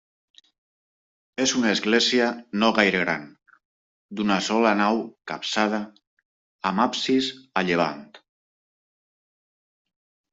És una església no gaire gran, d'una sola nau capçada amb absis a llevant.